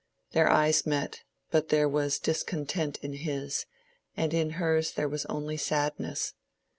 Their eyes met, but there was discontent in his, and in hers there was only sadness.